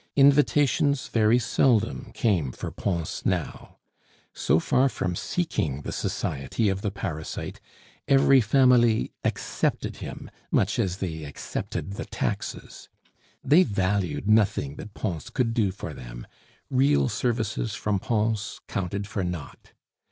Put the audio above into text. Invitations very seldom came for Pons now. So far from seeking the society of the parasite, every family accepted him much as they accepted the taxes; they valued nothing that Pons could do for them; real services from Pons counted for nought.